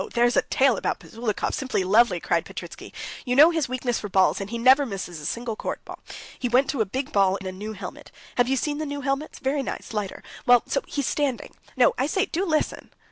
"Oh, there is a tale about Buzulukov—simply lovely!" cried Petritsky. "You know his weakness for balls, and he never misses a single court ball. He went to a big ball in a new helmet. Have you seen the new helmets? Very nice, lighter. Well, so he's standing.... No, I say, do listen."